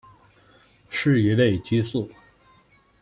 是一类激素。